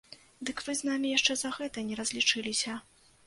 Дык вы з намі яшчэ за гэта не разлічыліся.